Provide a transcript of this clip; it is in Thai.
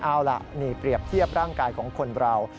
เอาล่ะนี่เปรียบเทียบร่างกายของคนเรา